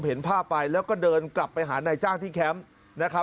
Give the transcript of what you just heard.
เห็นภาพไปแล้วก็เดินกลับไปหานายจ้างที่แคมป์นะครับ